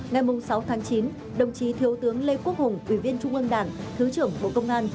ngày sáu tháng chín đồng chí thiếu tướng lê quốc hùng ủy viên trung ương đảng thứ trưởng bộ công an